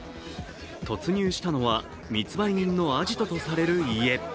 突入したのは密売人のアジトとされる家。